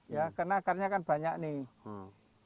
ya karena akarnya kan banyak nih